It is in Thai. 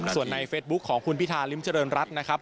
ส่วนในเฟซบุ๊คของคุณพิธาริมเจริญรัฐนะครับ